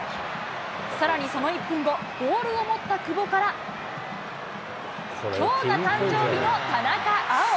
さらにその１分後、ボールを持った久保から、きょうが誕生日の田中碧。